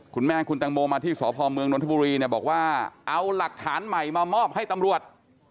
คุณแม่คุณตังโมมาที่สพเมืองนทบุรีเนี่ยบอกว่าเอาหลักฐานใหม่มามอบให้ตำรวจ